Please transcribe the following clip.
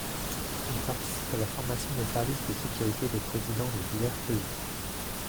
Il participe à la formation des services de sécurité des présidents de divers pays.